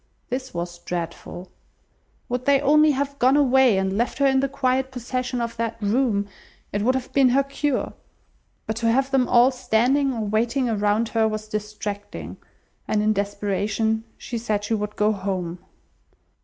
This was dreadful. Would they only have gone away, and left her in the quiet possession of that room it would have been her cure; but to have them all standing or waiting around her was distracting, and in desperation, she said she would go home.